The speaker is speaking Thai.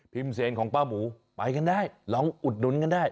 เซนของป้าหมูไปกันได้ลองอุดหนุนกันได้